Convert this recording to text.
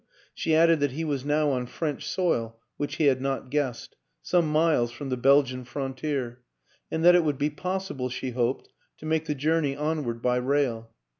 She added that he was now on French soil (which he had not guessed) some miles from the Belgian frontier, and that it would be possible, she hoped, to make the journey onward by rail.